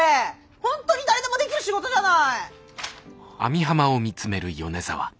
本当に誰でもできる仕事じゃない！